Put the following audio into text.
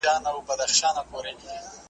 چي وګړي د یوه پلار د وطن یو ,